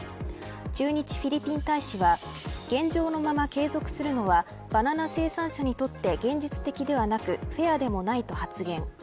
駐日フィリピン大使は現状のまま継続するのはバナナ生産者にとって現実的ではなくフェアでもないと発言。